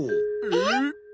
えっ！？